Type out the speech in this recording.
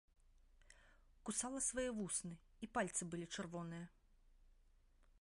Кусала свае вусны, і пальцы былі чырвоныя.